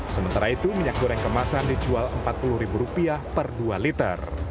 sementara itu minyak goreng kemasan dijual rp empat puluh per dua liter